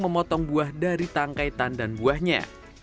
mereka memotong buah dari tangkaitan dan buahnya